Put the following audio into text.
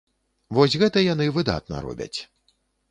Вось гэта яны выдатна робяць.